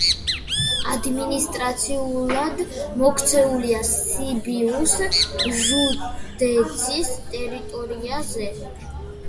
ადმინისტრაციულად მოქცეულია სიბიუს ჟუდეცის ტერიტორიაზე.